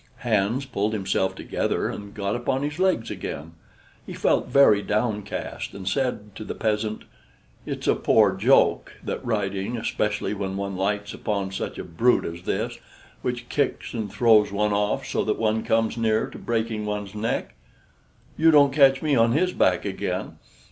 Hans pulled himself together and got upon his legs again. He felt very downcast, and said to the peasant: "It's a poor joke, that riding, especially when one lights upon such a brute as this, which kicks and throws one off so that one comes near to breaking one's neck. You don't catch me on his back again.